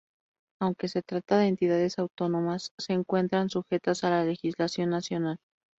Aunque se trata de entidades autónomas, se encuentran sujetas a la legislación nacional.